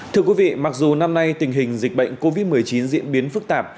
thưa quý vị mặc dù năm nay tình hình dịch bệnh covid một mươi chín diễn biến phức tạp